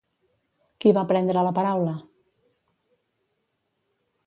Qui va prendre la paraula?